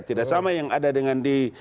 tidak sama yang ada dengan di